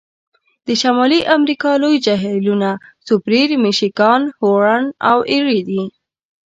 د شمالي امریکا لوی جهیلونه سوپریر، میشیګان، هورن او ایري دي.